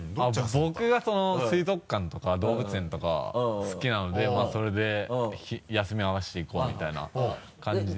僕が水族館とか動物園とか好きなのでそれで休みを合わせて行こうみたいな感じで。